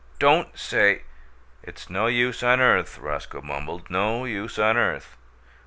Don't say " "It's no use on earth," Roscoe mumbled. "No use on earth."